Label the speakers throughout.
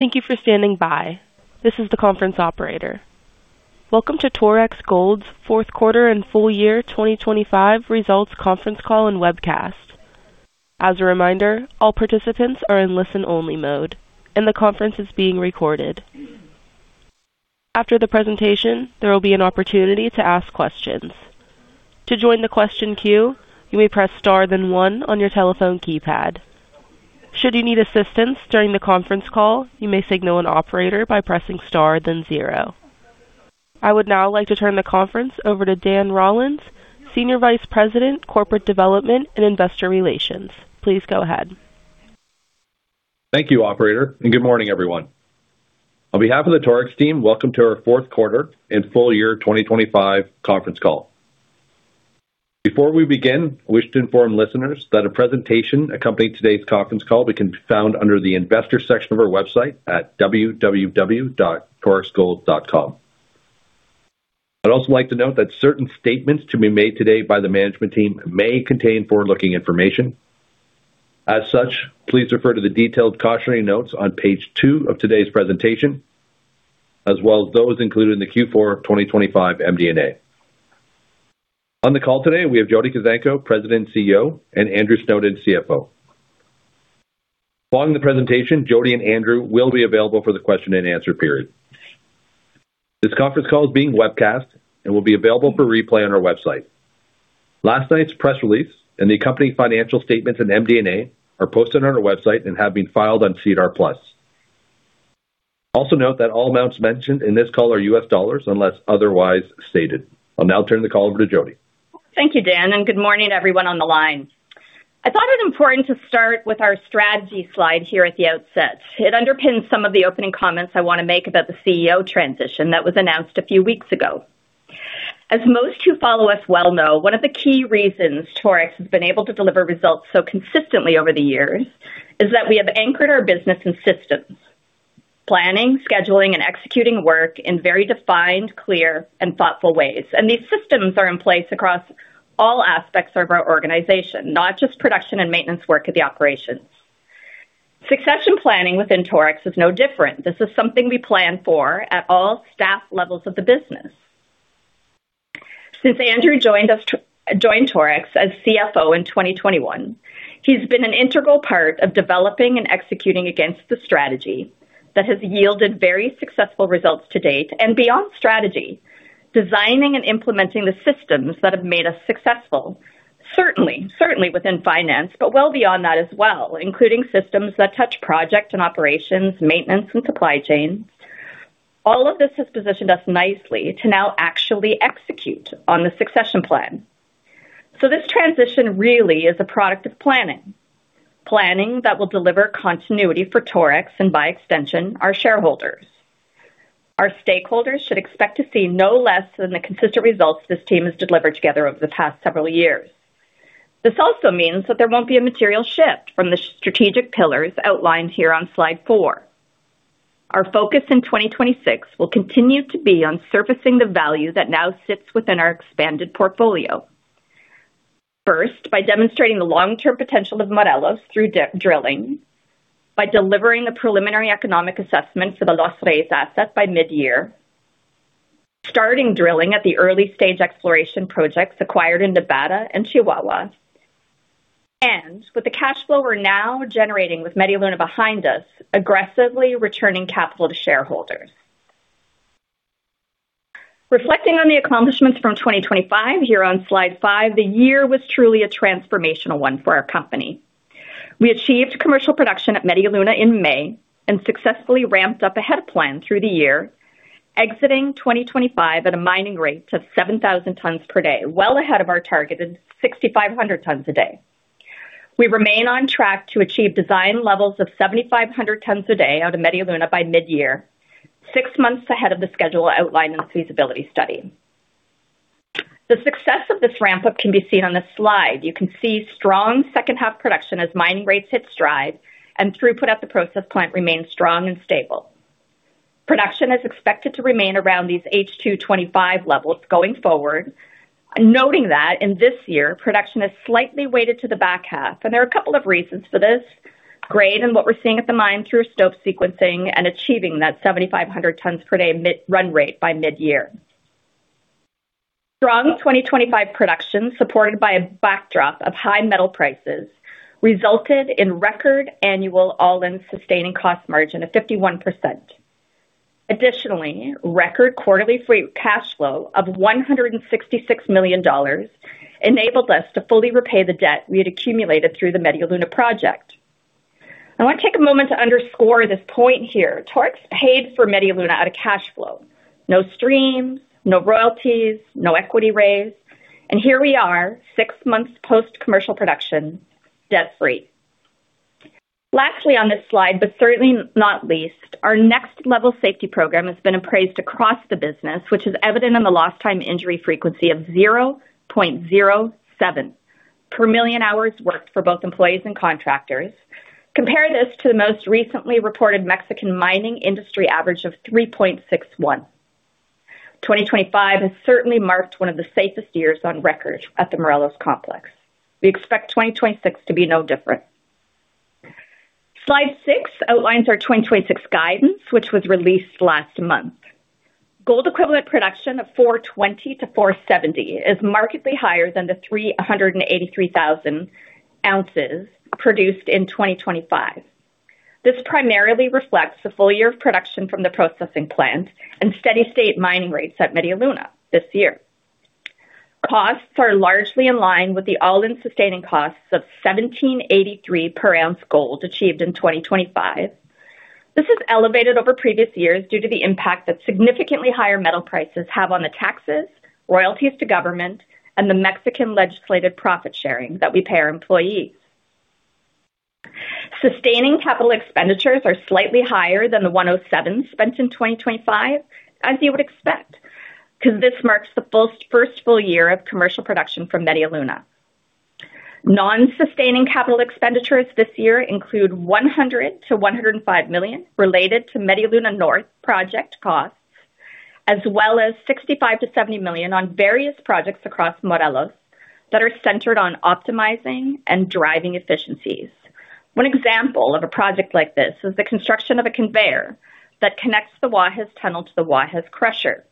Speaker 1: Thank you for standing by. This is the conference operator. Welcome to Torex Gold's Fourth Quarter and Full-Year 2025 Results Conference Call and Webcast. As a reminder, all participants are in listen-only mode and the conference is being recorded. After the presentation, there will be an opportunity to ask questions. To join the question queue, you may press star, then one on your telephone keypad. Should you need assistance during the conference call, you may signal an operator by pressing Star, then zero. I would now like to turn the conference over to Dan Rollins, Senior Vice President, Corporate Development and Investor Relations. Please go ahead.
Speaker 2: Thank you, operator, and good morning, everyone. On behalf of the Torex team, welcome to our fourth quarter and full-year 2025 conference call. Before we begin, I wish to inform listeners that a presentation accompanying today's conference call can be found under the Investor section of our website at www.torexgold.com. I'd also like to note that certain statements to be made today by the management team may contain forward-looking information. As such, please refer to the detailed cautionary notes on Page two of today's presentation, as well as those included in the Q4 2025 MD&A. On the call today, we have Jody Kuzenko, President and CEO, and Andrew Snowden, CFO. Following the presentation, Jody and Andrew will be available for the question-and-answer period. This conference call is being webcast and will be available for replay on our website. Last night's press release and the accompanying financial statements and MD&A are posted on our website and have been filed on SEDAR+. Also note that all amounts mentioned in this call are U.S. dollars unless otherwise stated. I'll now turn the call over to Jody.
Speaker 3: Thank you, Dan, and good morning, everyone on the line. I thought it important to start with our strategy slide here at the outset. It underpins some of the opening comments I want to make about the CEO transition that was announced a few weeks ago. As most who follow us well know, one of the key reasons Torex has been able to deliver results so consistently over the years is that we have anchored our business in systems, planning, scheduling, and executing work in very defined, clear, and thoughtful ways. These systems are in place across all aspects of our organization, not just production and maintenance work at the operations. Succession planning within Torex is no different. This is something we plan for at all staff levels of the business. Since Andrew joined Torex as CFO in 2021, he's been an integral part of developing and executing against the strategy that has yielded very successful results to date and beyond strategy, designing and implementing the systems that have made us successful, certainly, certainly within finance, but well beyond that as well, including systems that touch project and operations, maintenance and supply chain. All of this has positioned us nicely to now actually execute on the succession plan. So this transition really is a product of planning. Planning that will deliver continuity for Torex and by extension, our shareholders. Our stakeholders should expect to see no less than the consistent results this team has delivered together over the past several years. This also means that there won't be a material shift from the strategic pillars outlined here on Slide four. Our focus in 2026 will continue to be on surfacing the value that now sits within our expanded portfolio. First, by demonstrating the long-term potential of Morelos through de-risking, by delivering a preliminary economic assessment for the Los Reyes asset by mid-year, starting drilling at the early stage exploration projects acquired in Nevada and Chihuahua, and with the cash flow we're now generating with Media Luna behind us, aggressively returning capital to shareholders. Reflecting on the accomplishments from 2025, here on Slide five, the year was truly a transformational one for our company. We achieved commercial production at Media Luna in May and successfully ramped up ahead of plan through the year, exiting 2025 at a mining rate of 7,000 tons per day, well ahead of our targeted 6,500 tons a day. We remain on track to achieve design levels of 7,500 tons a day out of Media Luna by mid-year, six months ahead of the schedule outlined in the feasibility study. The success of this ramp-up can be seen on this slide. You can see strong second half production as mining rates hit stride and throughput at the process plant remains strong and stable. Production is expected to remain around these H2 2025 levels going forward, noting that in this year, production is slightly weighted to the back half, and there are a couple of reasons for this. Grade, and what we're seeing at the mine through stope sequencing and achieving that 7,500 tons per day mill run rate by mid-year. Strong 2025 production, supported by a backdrop of high metal prices, resulted in record annual all-in sustaining cost margin of 51%. Additionally, record quarterly free cash flow of $166 million enabled us to fully repay the debt we had accumulated through the Media Luna project. I want to take a moment to underscore this point here. Torex paid for Media Luna out of cash flow. No streams, no royalties, no equity raise and here we are, six months post commercial production, debt-free. Lastly on this slide, but certainly not least, our next level safety program has been appraised across the business, which is evident in the lost time injury frequency of 0.07 per million hours worked for both employees and contractors. Compare this to the most recently reported Mexican mining industry average of 3.61. 2025 has certainly marked one of the safest years on record at the Morelos Complex. We expect 2026 to be no different. Slide six outlines our 2026 guidance, which was released last month. Gold equivalent production of 420,000 oz-470,000 oz is markedly higher than the 383,000 oz produced in 2025. This primarily reflects the full year of production from the processing plant and steady state mining rates at Media Luna this year. Costs are largely in line with the all-in sustaining costs of $1,783 per ounce gold achieved in 2025. This is elevated over previous years due to the impact that significantly higher metal prices have on the taxes, royalties to government, and the Mexican legislated profit sharing that we pay our employees. Sustaining capital expenditures are slightly higher than the $107 million spent in 2025, as you would expect, because this marks the first full year of commercial production from Media Luna. Non-sustaining capital expenditures this year include $100 million-$105 million related to Media Luna North project costs, as well as $65 million-$ 70 million on various projects across Morelos that are centered on optimizing and driving efficiencies. One example of a project like this is the construction of a conveyor that connects the Guajes Tunnel to the Guajes Crusher.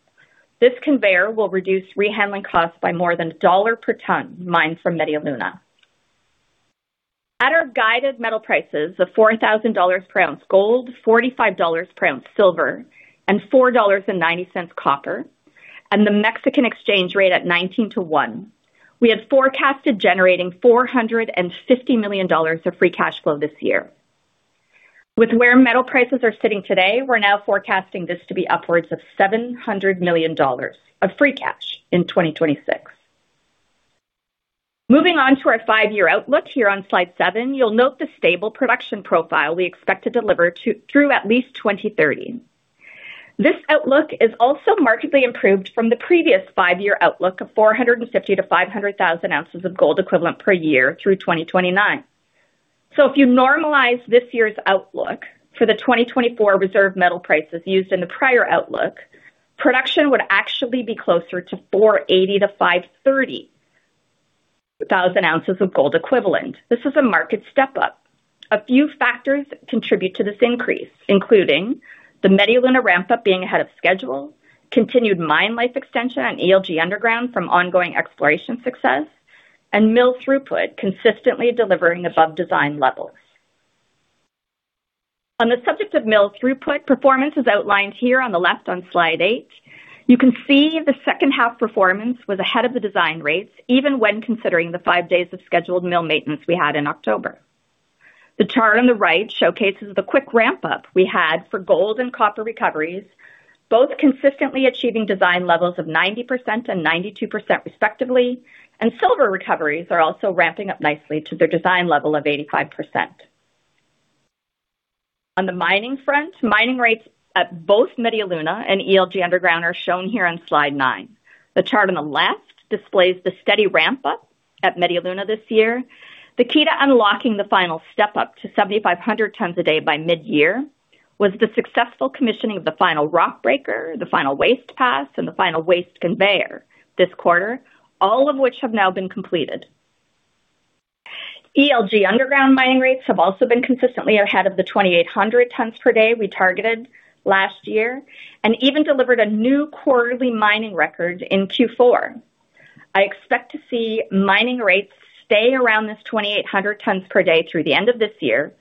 Speaker 3: This conveyor will reduce rehandling costs by more than a dollar per ton mined from Media Luna. At our guided metal prices of $4,000 per ounce gold, $45 per ounce silver, and $4.90 copper, and the Mexican exchange rate at 19:1, we have forecasted generating $450 million of free cash flow this year. With where metal prices are sitting today, we're now forecasting this to be upwards of $700 million of free cash in 2026. Moving on to our five-year outlook here on Slide seven, you'll note the stable production profile we expect to deliver to, through at least 2030. This outlook is also markedly improved from the previous five-year outlook of 450,000 oz-500,000 oz of gold equivalent per year through 2029. So if you normalize this year's outlook for the 2024 reserve metal prices used in the prior outlook, production would actually be closer to 480,000 oz-530,000 oz of gold equivalent. This is a market step up. A few factors contribute to this increase, including the Media Luna ramp up being ahead of schedule, continued mine life extension on ELG Underground from ongoing exploration success, and mill throughput consistently delivering above design levels. On the subject of mill throughput, performance is outlined here on the left on Slide eight. You can see the second half performance was ahead of the design rates, even when considering the 5 days of scheduled mill maintenance we had in October. The chart on the right showcases the quick ramp up we had for gold and copper recoveries, both consistently achieving design levels of 90% and 92% respectively, and silver recoveries are also ramping up nicely to their design level of 85%. On the mining front, mining rates at both Media Luna and ELG Underground are shown here on Slide nine. The chart on the left displays the steady ramp up at Media Luna this year. The key to unlocking the final step up to 7,500 tons a day by mid-year was the successful commissioning of the final rock breaker, the final waste pass, and the final waste conveyor this quarter, all of which have now been completed. ELG Underground mining rates have also been consistently ahead of the 2,800 tons per day we targeted last year, and even delivered a new quarterly mining record in Q4. I expect to see mining rates stay around this 2,800 tons per day through the end of this year,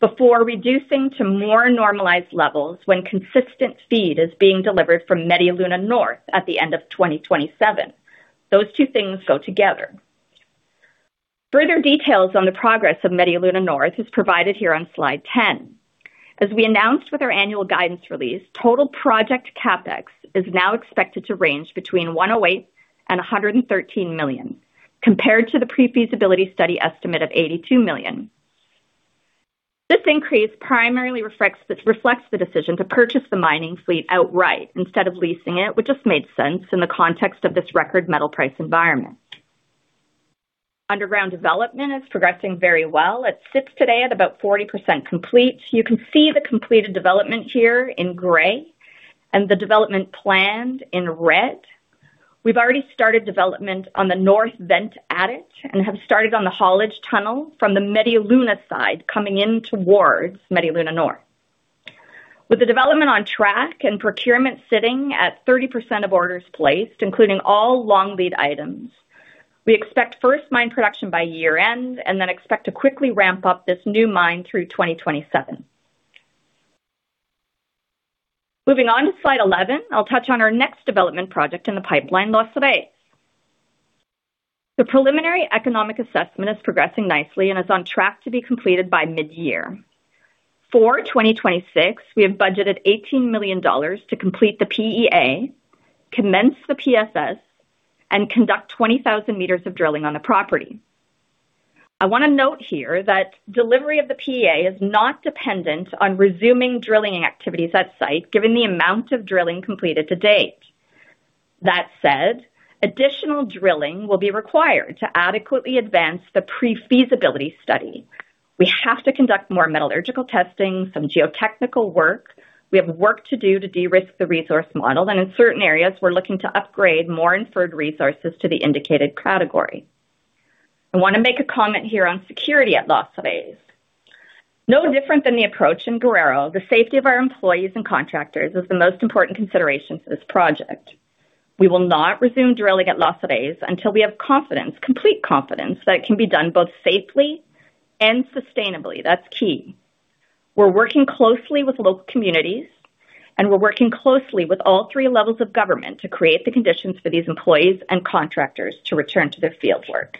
Speaker 3: before reducing to more normalized levels when consistent feed is being delivered from Media Luna North at the end of 2027. Those two things go together. Further details on the progress of Media Luna North is provided here on Slide 10. As we announced with our annual guidance release, total project CapEx is now expected to range between $108 million and $113 million, compared to the pre-feasibility study estimate of $82 million. This increase primarily reflects the decision to purchase the mining fleet outright instead of leasing it, which just made sense in the context of this record metal price environment. Underground development is progressing very well. It sits today at about 40% complete. You can see the completed development here in gray and the development planned in red. We've already started development on the north vent adit and have started on the haulage tunnel from the Media Luna side, coming in towards Media Luna North. With the development on track and procurement sitting at 30% of orders placed, including all long lead items, we expect first mine production by year-end and then expect to quickly ramp up this new mine through 2027. Moving on to Slide 11, I'll touch on our next development project in the pipeline, Los Reyes. The preliminary economic assessment is progressing nicely and is on track to be completed by mid-year. For 2026, we have budgeted $18 million to complete the PEA, commence the PFS, and conduct 20,000 m of drilling on the property. I want to note here that delivery of the PEA is not dependent on resuming drilling activities at site, given the amount of drilling completed to date. That said, additional drilling will be required to adequately advance the pre-feasibility study. We have to conduct more metallurgical testing, some geotechnical work. We have work to do to de-risk the resource model, and in certain areas, we're looking to upgrade more inferred resources to the indicated category. I want to make a comment here on security at Los Reyes. No different than the approach in Guerrero, the safety of our employees and contractors is the most important consideration for this project. We will not resume drilling at Los Reyes until we have confidence, complete confidence, that it can be done both safely and sustainably. That's key. We're working closely with local communities, and we're working closely with all three levels of government to create the conditions for these employees and contractors to return to their fieldwork.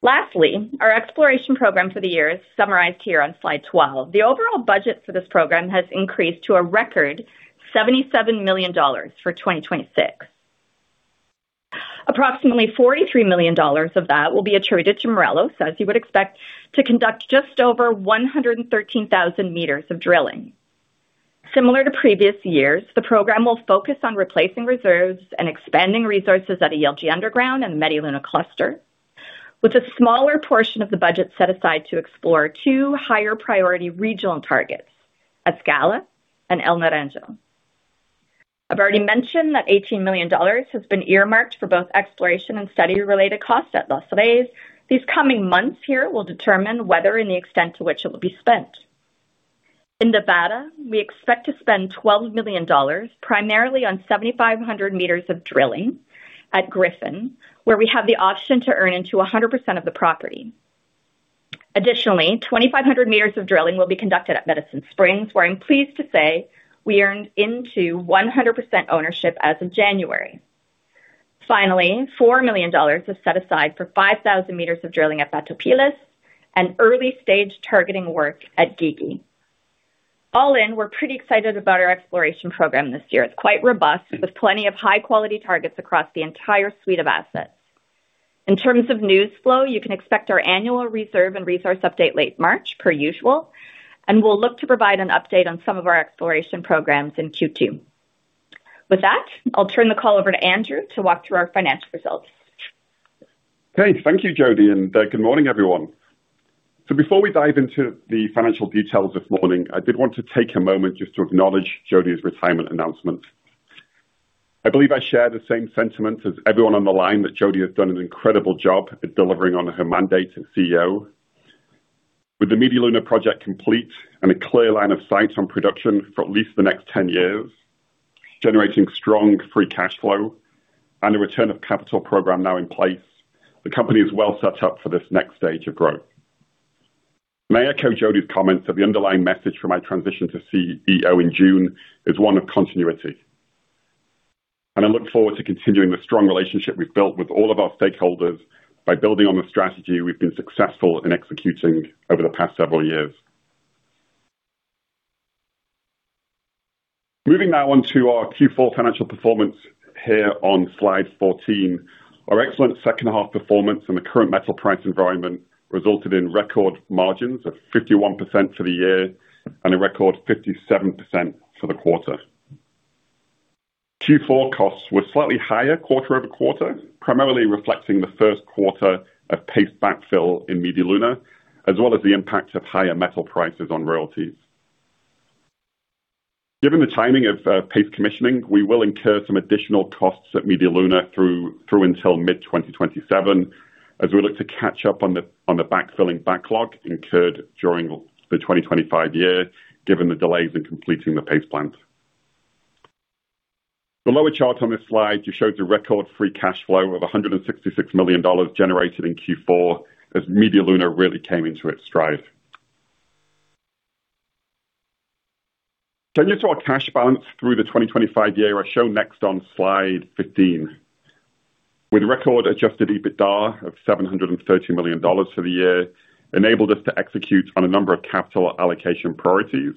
Speaker 3: Lastly, our exploration program for the year is summarized here on Slide 12. The overall budget for this program has increased to a record $77 million for 2026. Approximately $43 million of that will be attributed to Morelos, as you would expect, to conduct just over 113,000 m of drilling. Similar to previous years, the program will focus on replacing reserves and expanding resources at ELG Underground and Media Luna Cluster, with a smaller portion of the budget set aside to explore two higher priority regional targets, Atzcala and El Naranjo. I've already mentioned that $18 million has been earmarked for both exploration and study-related costs at Los Reyes. These coming months here will determine whether and the extent to which it will be spent. In Nevada, we expect to spend $12 million, primarily on 7,500 m of drilling at Gryphon, where we have the option to earn into 100% of the property. Additionally, 2,500 m of drilling will be conducted at Medicine Springs, where I'm pleased to say we earned into 100% ownership as of January. Finally, $4 million is set aside for 5,000 m of drilling at Batopilas and early-stage targeting work at Guigui. All in, we're pretty excited about our exploration program this year. It's quite robust, with plenty of high-quality targets across the entire suite of assets. In terms of news flow, you can expect our annual reserve and resource update late March, per usual, and we'll look to provide an update on some of our exploration programs in Q2. With that, I'll turn the call over to Andrew to walk through our financial results.
Speaker 4: Okay, thank you, Jody, and good morning, everyone. So before we dive into the financial details this morning, I did want to take a moment just to acknowledge Jody's retirement announcement. I believe I share the same sentiment as everyone on the line, that Jody has done an incredible job at delivering on her mandate as CEO. With the Media Luna project complete and a clear line of sight on production for at least the next 10 years, generating strong free cash flow and a return of capital program now in place, the company is well set up for this next stage of growth. May I echo Jody's comments that the underlying message from my transition to CEO in June is one of continuity, and I look forward to continuing the strong relationship we've built with all of our stakeholders by building on the strategy we've been successful in executing over the past several years. Moving now on to our Q4 financial performance here on Slide 14. Our excellent second half performance and the current metal price environment resulted in record margins of 51% for the year and a record 57% for the quarter. Q4 costs were slightly higher quarter-over-quarter, primarily reflecting the first quarter of paste backfill in Media Luna, as well as the impact of higher metal prices on royalties. Given the timing of paste commissioning, we will incur some additional costs at Media Luna through until mid-2027 as we look to catch up on the backfilling backlog incurred during the 2025 year, given the delays in completing the paste plant. The lower chart on this slide just shows a record free cash flow of $166 million generated in Q4 as Media Luna really came into its stride. Turning to our cash balance through the 2025 year are shown next on Slide 15. With record adjusted EBITDA of $730 million for the year, enabled us to execute on a number of capital allocation priorities,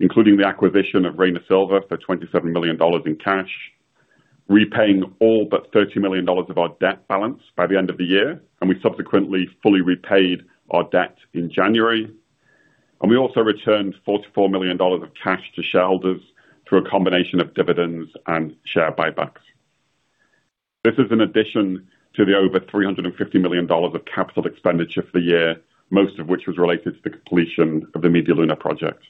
Speaker 4: including the acquisition of Reyna Silver for $27 million in cash, repaying all but $30 million of our debt balance by the end of the year, and we subsequently fully repaid our debt in January. We also returned $44 million of cash to shareholders through a combination of dividends and share buybacks. This is in addition to the over $350 million of capital expenditure for the year, most of which was related to the completion of the Media Luna project.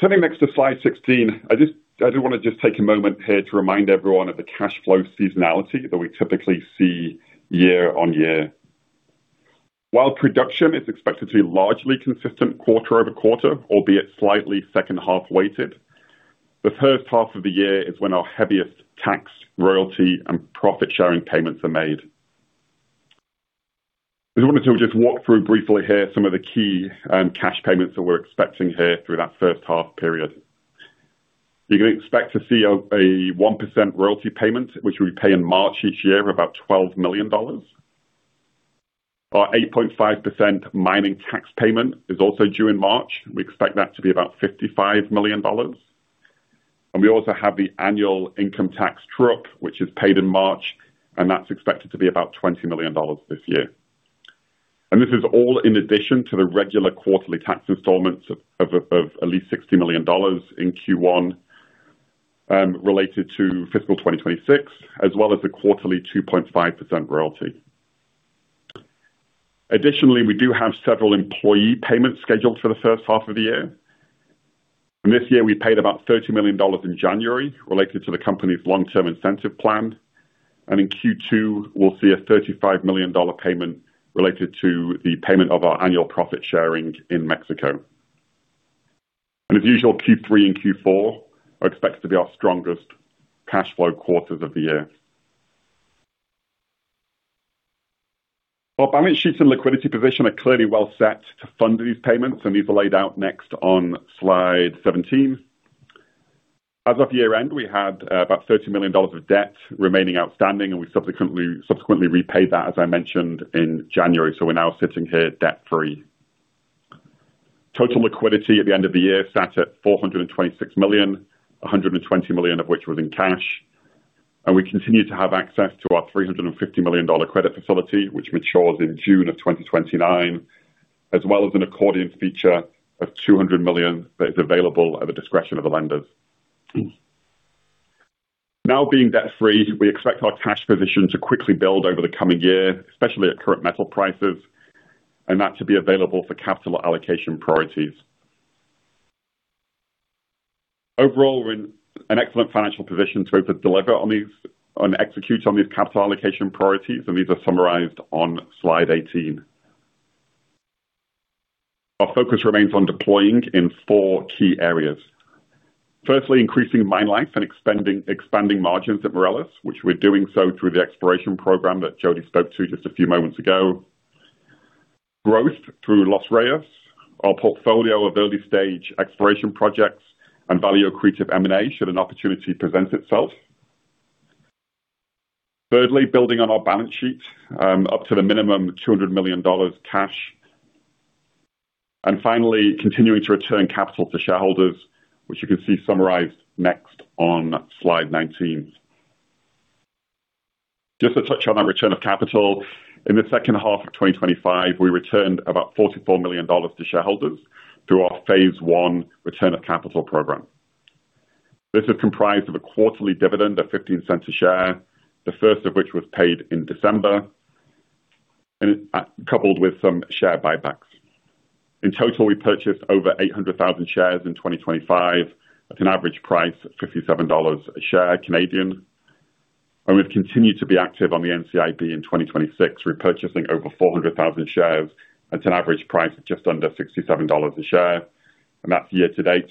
Speaker 4: Turning next to Slide 16. I do want to just take a moment here to remind everyone of the cash flow seasonality that we typically see year-on-year. While production is expected to be largely consistent quarter-over-quarter, albeit slightly second-half weighted, the first half of the year is when our heaviest tax, royalty, and profit-sharing payments are made. I wanted to just walk through briefly here some of the key cash payments that we're expecting here through that first half period. You can expect to see a 1% royalty payment, which we pay in March each year of about $12 million. Our 8.5% mining tax payment is also due in March. We expect that to be about $55 million. We also have the annual income tax true-up, which is paid in March, and that's expected to be about $20 million this year. This is all in addition to the regular quarterly tax installments of at least $60 million in Q1 related to fiscal 2026, as well as the quarterly 2.5% royalty. Additionally, we do have several employee payments scheduled for the first half of the year and this year, we paid about $30 million in January related to the company's long-term incentive plan. In Q2, we'll see a $35 million payment related to the payment of our annual profit sharing in Mexico and as usual, Q3 and Q4 are expected to be our strongest cash flow quarters of the year. Our balance sheet and liquidity position are clearly well set to fund these payments, and these are laid out next on Slide 17. As of year-end, we had about $30 million of debt remaining outstanding, and we subsequently repaid that, as I mentioned in January, so we're now sitting here debt-free. Total liquidity at the end of the year sat at $426 million, $120 million of which was in cash, and we continued to have access to our $350 million credit facility, which matures in June of 2029, as well as an accordion feature of $200 million that is available at the discretion of the lenders. Now, being debt-free, we expect our cash position to quickly build over the coming year, especially at current metal prices, and that to be available for capital allocation priorities. Overall, we're in an excellent financial position to deliver on these, and execute on these capital allocation priorities, and these are summarized on Slide 18. Our focus remains on deploying in four key areas. Firstly, increasing mine life and expanding margins at Morelos, which we're doing so through the exploration program that Jody spoke to just a few moments ago. Growth through Los Reyes, our portfolio of early-stage exploration projects and value accretive M&A, should an opportunity presents itself. Thirdly, building on our balance sheet, up to the minimum $200 million cash. Finally, continuing to return capital to shareholders, which you can see summarized next on Slide 19. Just to touch on our return of capital, in the second half of 2025, we returned about $44 million to shareholders through our phase I return of capital program. This is comprised of a quarterly dividend of 0.15 a share, the first of which was paid in December, and coupled with some share buybacks. In total, we purchased over 800,000 shares in 2025, at an average price of 57 dollars a share. We've continued to be active on the NCIB in 2026, repurchasing over 400,000 shares at an average price of just under 67 dollars a share, and that's year-to-date.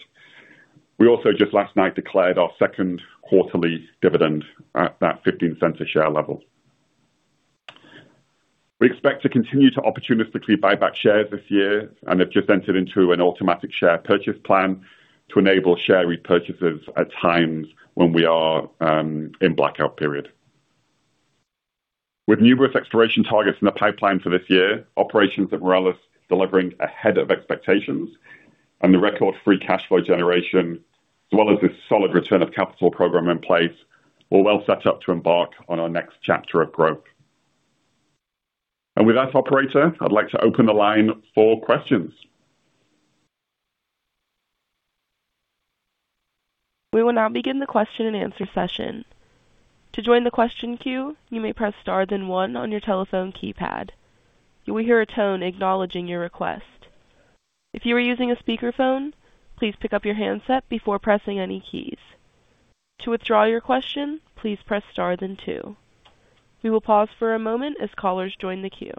Speaker 4: We also just last night declared our second quarterly dividend at that 0.15 a share level. We expect to continue to opportunistically buy back shares this year and have just entered into an automatic share purchase plan to enable share repurchases at times when we are in blackout period. With numerous exploration targets in the pipeline for this year, operations at ELG Underground delivering ahead of expectations and the record free cash flow generation, as well as a solid return of capital program in place, we're well set up to embark on our next chapter of growth. With that operator, I'd like to open the line for questions.
Speaker 1: We will now begin the question-and-answer session. To join the question queue, you may press star, then one on your telephone keypad. You will hear a tone acknowledging your request. If you are using a speakerphone, please pick up your handset before pressing any keys. To withdraw your question, please press star, then two. We will pause for a moment as callers join the queue.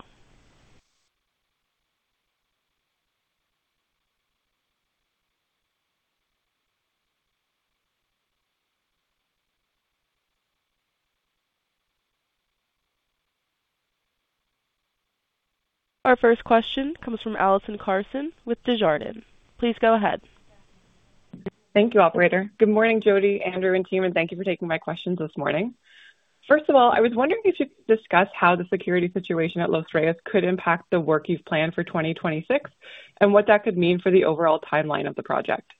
Speaker 1: Our first question comes from Allison Carson with Desjardins. Please go ahead.
Speaker 5: Thank you, operator. Good morning, Jody, Andrew, and team, and thank you for taking my questions this morning. First of all, I was wondering if you could discuss how the security situation at Los Reyes could impact the work you've planned for 2026, and what that could mean for the overall timeline of the project?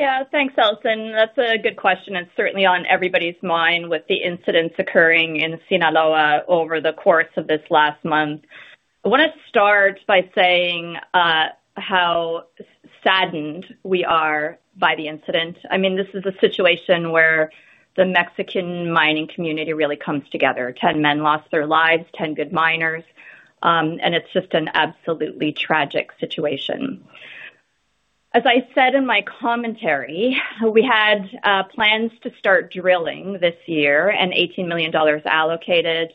Speaker 3: Yeah. Thanks, Allison. That's a good question, and certainly on everybody's mind with the incidents occurring in Sinaloa over the course of this last month. I want to start by saying how saddened we are by the incident. I mean, this is a situation where the Mexican mining community really comes together. 10 men lost their lives, 10 good miners, and it's just an absolutely tragic situation. As I said in my commentary, we had plans to start drilling this year and $18 million allocated.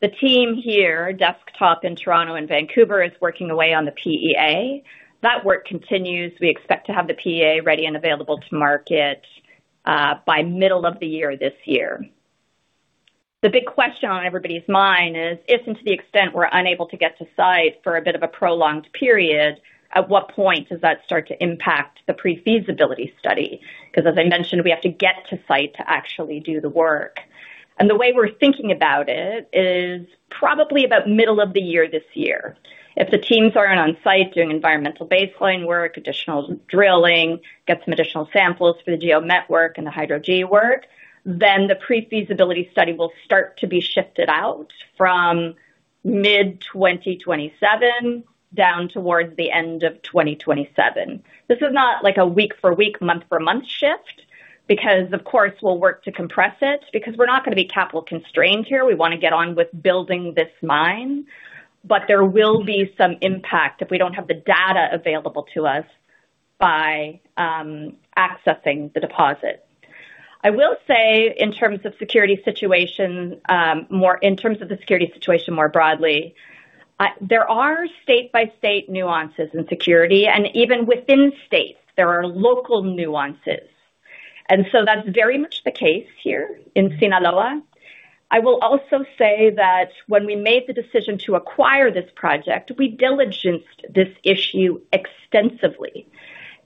Speaker 3: The team here, desktop in Toronto and Vancouver, is working away on the PEA. That work continues. We expect to have the PEA ready and available to market by middle of the year, this year. The big question on everybody's mind is, if and to the extent we're unable to get to site for a bit of a prolonged period, at what point does that start to impact the pre-feasibility study? Because, as I mentioned, we have to get to site to actually do the work and the way we're thinking about it is probably about middle of the year, this year. If the teams aren't on site doing environmental baseline work, additional drilling, get some additional samples for the geo-met work and the hydro-G work, then the pre-feasibility study will start to be shifted out from mid 2027, down towards the end of 2027. This is not like a week-for-week, month-for-month shift, because, of course, we'll work to compress it, because we're not going to be capital constrained here. We want to get on with building this mine, but there will be some impact if we don't have the data available to us by accessing the deposit. I will say, in terms of security situation, more in terms of the security situation more broadly, there are state-by-state nuances in security, and even within states, there are local nuances. So that's very much the case here in Sinaloa. I will also say that when we made the decision to acquire this project, we diligenced this issue extensively.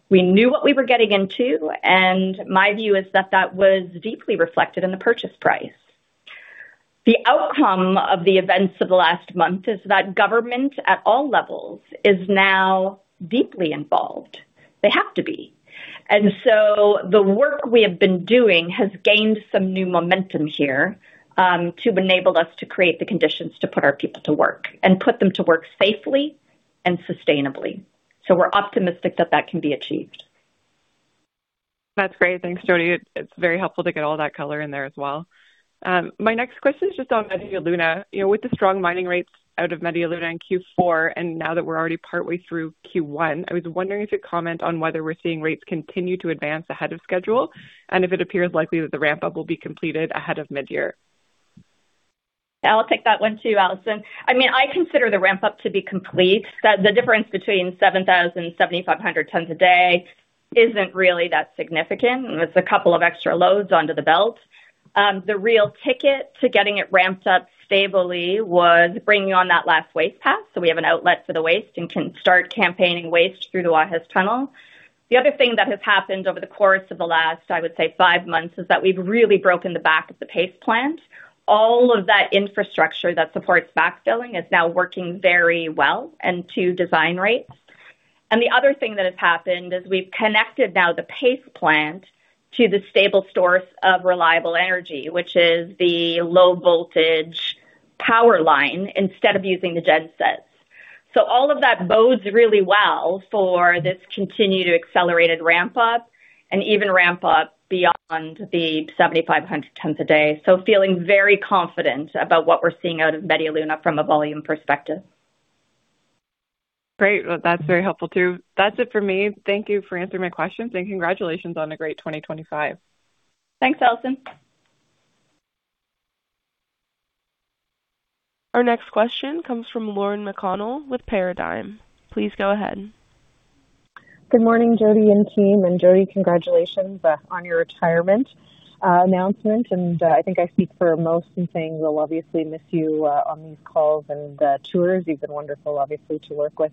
Speaker 3: We knew what we were getting into, and my view is that that was deeply reflected in the purchase price. The outcome of the events of the last month is that government, at all levels, is now deeply involved. They have to be. So the work we have been doing has gained some new momentum here, to enable us to create the conditions to put our people to work and put them to work safely and sustainably. So we're optimistic that that can be achieved.
Speaker 5: That's great. Thanks, Jody. It's very helpful to get all that color in there as well. My next question is just on Media Luna. You know, with the strong mining rates out of Media Luna in Q4, and now that we're already partway through Q1, I was wondering if you'd comment on whether we're seeing rates continue to advance ahead of schedule, and if it appears likely that the ramp-up will be completed ahead of mid-year.
Speaker 3: I'll take that one, too, Allison. I mean, I consider the ramp-up to be complete. The difference between 7,000 tons and 7,500 tons a day isn't really that significant. It's a couple of extra loads onto the belt. The real ticket to getting it ramped up stably was bringing on that last waste pass, so we have an outlet for the waste and can start campaigning waste through the Guajes Tunnel. The other thing that has happened over the course of the last, I would say, five months, is that we've really broken the back of the paste plant. All of that infrastructure that supports backfilling is now working very well and to design rates. The other thing that has happened is we've connected now the paste plant to the stable source of reliable energy, which is the low-voltage power line, instead of using the gen sets. So all of that bodes really well for this continued accelerated ramp-up and even ramp-up beyond the 7,500 tons a day. Feeling very confident about what we're seeing out of Media Luna from a volume perspective.
Speaker 5: Great. Well, that's very helpful, too. That's it for me. Thank you for answering my questions, and congratulations on a great 2025.
Speaker 3: Thanks, Allison.
Speaker 1: Our next question comes from Lauren McConnell with Paradigm. Please go ahead.
Speaker 6: Good morning, Jody and team. Jody, congratulations on your retirement announcement. I think I speak for most in saying we'll obviously miss you on these calls and tours. You've been wonderful, obviously, to work with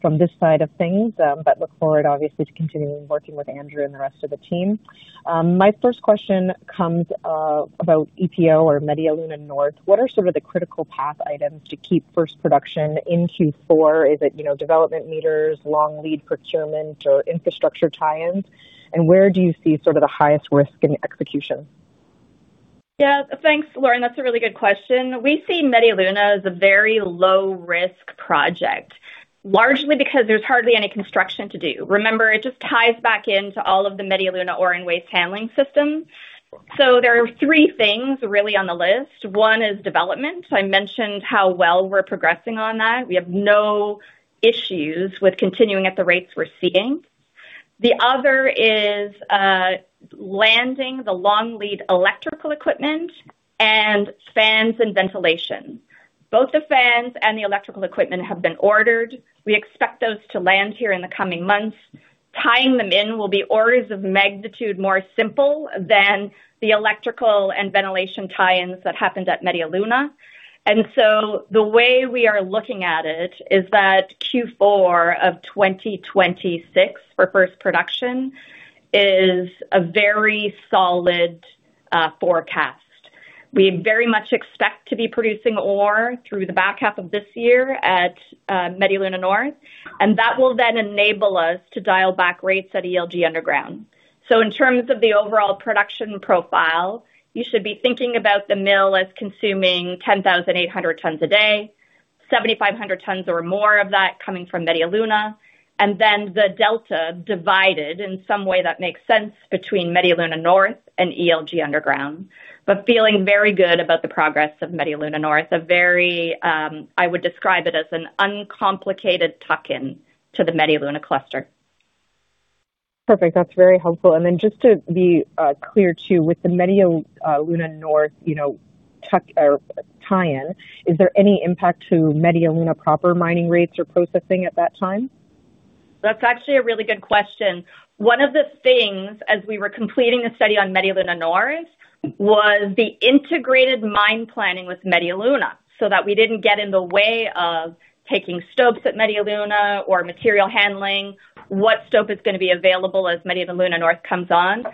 Speaker 6: from this side of things, but look forward, obviously, to continuing working with Andrew and the rest of the team. My first question comes about EPO or Media Luna North. What are sort of the critical path items to keep first production in Q4? Is it, you know, development m, long lead procurement, or infrastructure tie-ins? And where do you see sort of the highest risk in execution?
Speaker 3: Yeah. Thanks, Lauren. That's a really good question. We see Media Luna as a very low-risk project, largely because there's hardly any construction to do. Remember, it just ties back into all of the Media Luna ore and waste handling systems. So there are three things really on the list. One is development. So I mentioned how well we're progressing on that. We have no issues with continuing at the rates we're seeing. The other is landing the long lead electrical equipment and fans and ventilation. Both the fans and the electrical equipment have been ordered. We expect those to land here in the coming months. Tying them in will be orders of magnitude more simple than the electrical and ventilation tie-ins that happened at Media Luna. The way we are looking at it is that Q4 of 2026 for first production is a very solid forecast. We very much expect to be producing ore through the back half of this year at Media Luna North, and that will then enable us to dial back rates at ELG Underground. In terms of the overall production profile, you should be thinking about the mill as consuming 10,800 tons a day, 7,500 tons or more of that coming from Media Luna, and then the delta divided in some way that makes sense between Media Luna North and ELG Underground. Feeling very good about the progress of Media Luna North. A very, I would describe it as an uncomplicated tuck-in to the Media Luna Cluster.
Speaker 6: Perfect. That's very helpful and then just to be clear, too, with the Media Luna North, you know, truck or tie-in, is there any impact to Media Luna proper mining rates or processing at that time?
Speaker 3: That's actually a really good question. One of the things, as we were completing a study on Media Luna North, was the integrated mine planning with Media Luna, so that we didn't get in the way of taking stopes at Media Luna or material handling, what stope is going to be available as Media Luna North comes on.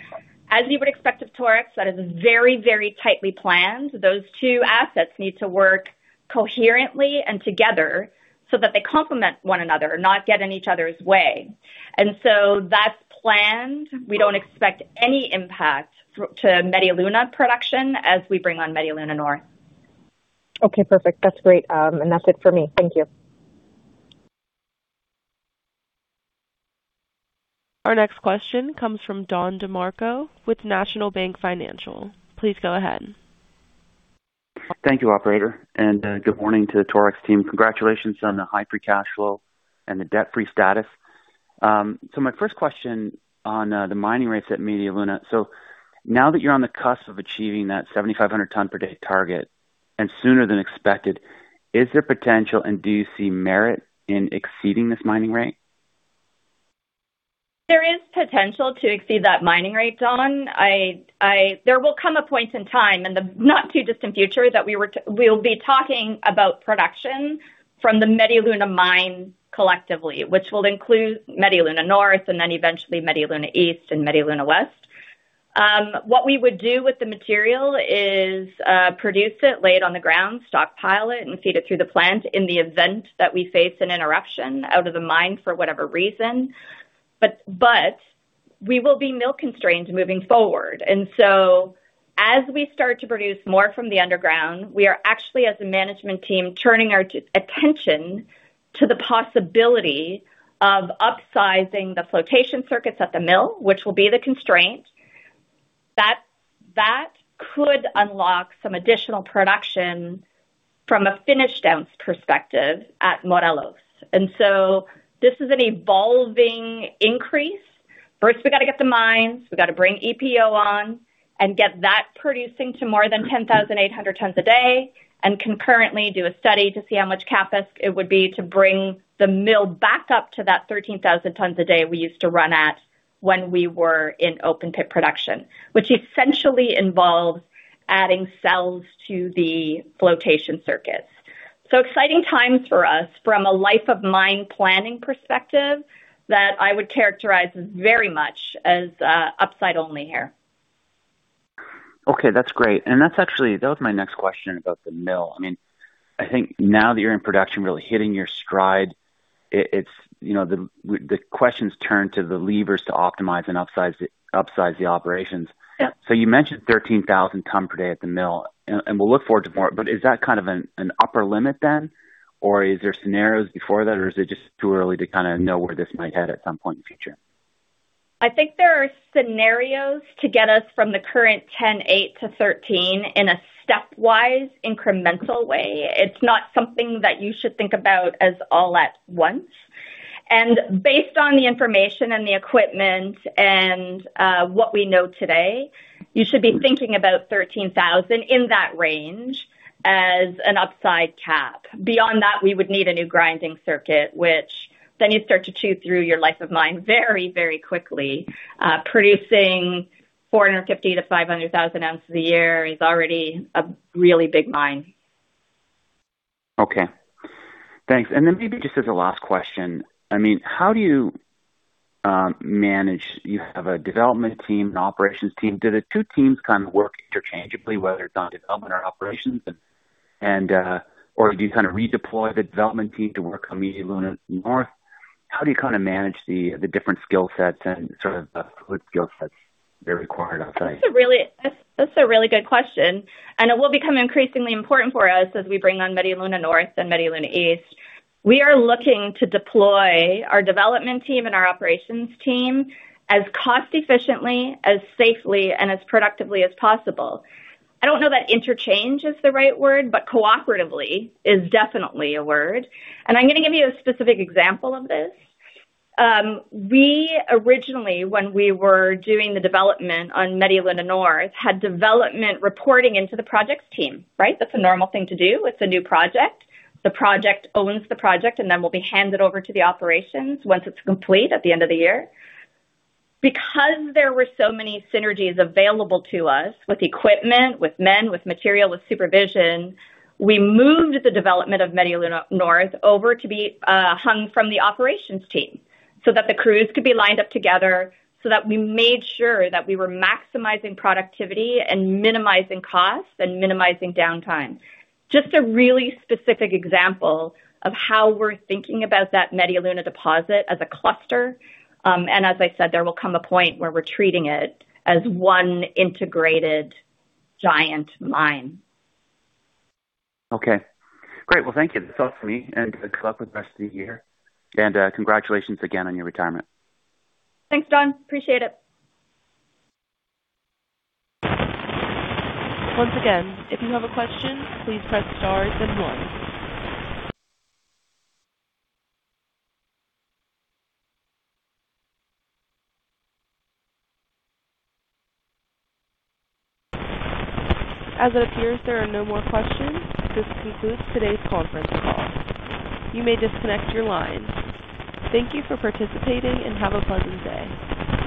Speaker 3: As you would expect of Torex, that is very, very tightly planned. Those two assets need to work coherently and together so that they complement one another, not get in each other's way. So that's planned. We don't expect any impact to Media Luna production as we bring on Media Luna North.
Speaker 6: Okay, perfect. That's great and that's it for me. Thank you.
Speaker 1: Our next question comes from Don DeMarco with National Bank Financial. Please go ahead.
Speaker 7: Thank you, operator, and good morning to the Torex team. Congratulations on the high free cash flow and the debt-free status. My first question on the mining rates at Media Luna. So now that you're on the cusp of achieving that 7,500 ton per day target and sooner than expected, is there potential, and do you see merit in exceeding this mining rate?
Speaker 3: There is potential to exceed that mining rate, Don. There will come a point in time, in the not-too-distant future, that we will be talking about production from the Media Luna mine collectively, which will include Media Luna North and then eventually Media Luna East and Media Luna West. What we would do with the material is produce it, lay it on the ground, stockpile it, and feed it through the plant in the event that we face an interruption out of the mine for whatever reason. But we will be mill-constrained moving forward and so as we start to produce more from the underground, we are actually, as a management team, turning our attention to the possibility of upsizing the flotation circuits at the mill, which will be the constraint. That, that could unlock some additional production from a finished ounce perspective at Morelos and so this is an evolving increase. First, we got to get the mines, we got to bring EPO on and get that producing to more than 10,800 tons a day, and concurrently do a study to see how much CapEx it would be to bring the mill back up to that 13,000 tons a day we used to run at when we were in open pit production, which essentially involves adding cells to the flotation circuits. So exciting times for us from a life of mine planning perspective, that I would characterize as very much as, upside only here.
Speaker 7: Okay, that's great. That's actually... That was my next question about the mill. I mean, I think now that you're in production, really hitting your stride, it's, you know, the questions turn to the levers to optimize and upsize the operations.
Speaker 3: Yep.
Speaker 7: So you mentioned 13,000 tons per day at the mill, and, and we'll look forward to more, but is that kind of an, an upper limit then, or is there scenarios before that, or is it just too early to kinda know where this might head at some point in the future?
Speaker 3: I think there are scenarios to get us from the current 10,800 tons-13,000 tons in a stepwise incremental way. It's not something that you should think about as all at once. Based on the information and the equipment and what we know today, you should be thinking about 13,000 in that range as an upside cap. Beyond that, we would need a new grinding circuit, which then you start to chew through your life of mine very, very quickly. Producing 450,000 oz-500,000 oz a year is already a really big mine.
Speaker 7: Okay, thanks and then maybe just as a last question, I mean, how do you manage? You have a development team, an operations team. Do the two teams kind of work interchangeably, whether it's on development or operations, and or do you kind of redeploy the development team to work on Media Luna North? How do you kind of manage the different skill sets and sort of the skill sets that are required outside?
Speaker 3: That's a really good question, and it will become increasingly important for us as we bring on Media Luna North and Media Luna East. We are looking to deploy our development team and our operations team as cost efficiently, as safely, and as productively as possible. I don't know that interchange is the right word, but cooperatively is definitely a word. I'm gonna give you a specific example of this. We originally, when we were doing the development on Media Luna North, had development reporting into the projects team, right? That's a normal thing to do with a new project. The project owns the project and then will be handed over to the operations once it's complete at the end of the year. Because there were so many synergies available to us with equipment, with men, with material, with supervision, we moved the development of Media Luna North over to be hung from the operations team so that the crews could be lined up together, so that we made sure that we were maximizing productivity and minimizing costs and minimizing downtime. Just a really specific example of how we're thinking about that Media Luna deposit as a cluster, and as I said, there will come a point where we're treating it as one integrated giant mine.
Speaker 7: Okay, great. Well, thank you. That's all for me, and good luck with the rest of the year and, congratulations again on your retirement.
Speaker 3: Thanks, Don. Appreciate it.
Speaker 1: Once again, if you have a question, please press star then one. As it appears there are no more questions, this concludes today's conference call. You may disconnect your lines. Thank you for participating and have a pleasant day.